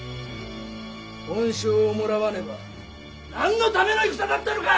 恩賞をもらわねば何のための戦だったのか！